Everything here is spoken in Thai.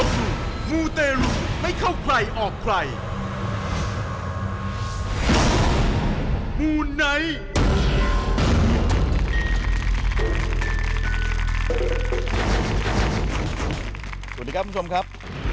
สวัสดีครับคุณผู้ชมครับ